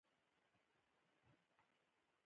د دفاع پوځ د حکومت له لوړ پوړو چارواکو سره غونډه وکړه.